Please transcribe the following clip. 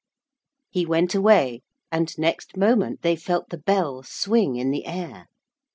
He went away, and next moment they felt the bell swing in the air.